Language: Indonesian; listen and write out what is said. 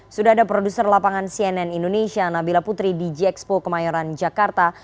sudah ada produser lapangan cnn indonesia nabila putri di gxpo kemayoran jakarta